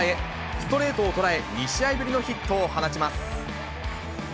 ストレートを捉え、２試合ぶりのヒットを放ちます。